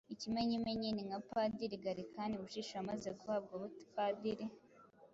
Ikimenyimenyi ni nka Padiri Galikani Bushishi wamaze guhabwa ubupadiri